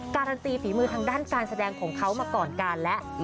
การันตีฝีมือทางด้านการแสดงของเขามาก่อนการแล้ว